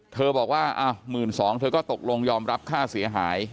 บอกว่า๑๒๐๐เธอก็ตกลงยอมรับค่าเสียหาย